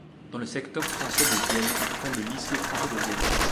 Dans le secteur français de Vienne, il fonde le lycée français de Vienne.